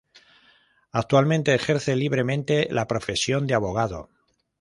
Actualmente ejerce libremente la profesión de Abogado.